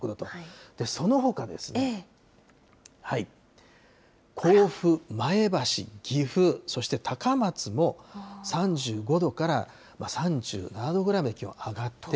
そのほかですね、甲府、前橋、岐阜、そして高松も、３５度から３７度ぐらいまで気温上がって。